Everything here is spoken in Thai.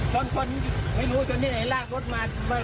คนไม่รู้จนที่ไหนล่างรถมา